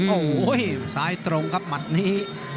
โอ้โหซ้ายตรงครับหมัดนี้